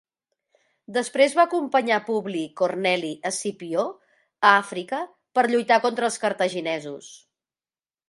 Després va acompanyar Publi Corneli Escipió a Àfrica per lluitar contra els cartaginesos.